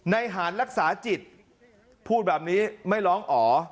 หารรักษาจิตพูดแบบนี้ไม่ร้องอ๋อ